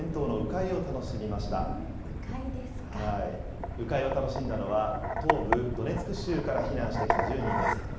鵜飼いを楽しんだのは、東部ドネツク州から避難してきた１０人です。